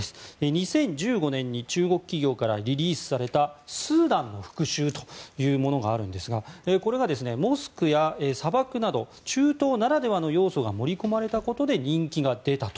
２０１５年に中国企業からリリースされた「スーダンの復讐」というものがあるんですがこれがモスクや砂漠など中東ならではの要素が盛り込まれたことで人気が出たと。